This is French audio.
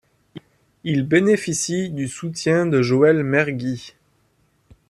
Il bénéficie du soutien de Joël Mergui.